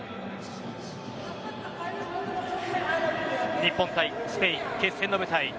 日本対スペイン、決戦の舞台